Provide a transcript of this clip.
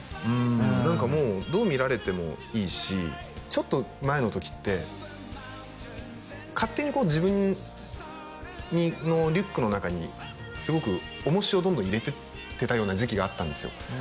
うーん何かもうどう見られてもいいしちょっと前の時って勝手にこう自分のリュックの中にすごく重しをどんどん入れてってたような時期があったんですよ